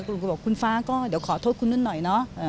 คุณก็บอกคุณฟ้าก็เดี๋ยวขอโทษคุณนุ่นหน่อยเนอะ